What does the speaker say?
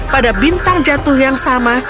pada bintang jatuh yang sama